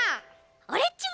オレっちも！